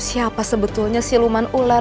siapa sebetulnya siluman ular